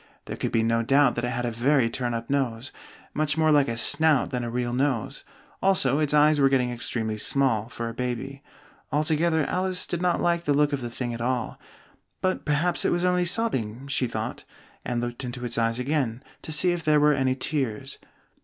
There could be no doubt that it had a very turn up nose, much more like a snout than a real nose; also its eyes were getting extremely small, for a baby: altogether, Alice did not like the look of the thing at all, "but perhaps it was only sobbing," she thought, and looked into its eyes again, to see if there were any tears.